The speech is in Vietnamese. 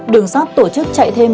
đường sắt tổ chức chạy thêm